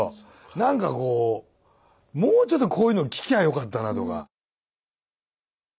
なんかこうもうちょっとこういうの聞きゃあよかったなぁとか。